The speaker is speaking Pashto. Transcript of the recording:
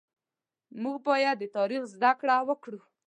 مونږ بايد د تاريخ زده کړه وکړو